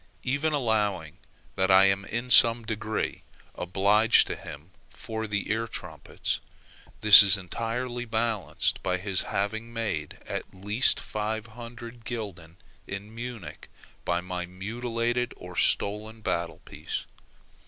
Even allowing that I am in some degree obliged to him for the ear trumpets, this is entirely balanced by his having made at least 500 gulden in Munich by my mutilated or stolen battle piece.